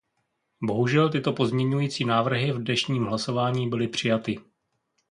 Bohužel tyto pozměňující návrhy v dnešním hlasování byly přijaty.